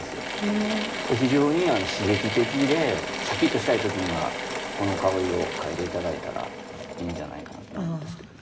非常に刺激的でシャキッとしたい時にはこの香りを嗅いで頂いたらいいんじゃないかと思うんですけど。